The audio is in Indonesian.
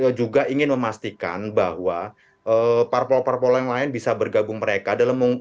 beliau juga ingin memastikan bahwa parpol parpol yang lain bisa bergabung mereka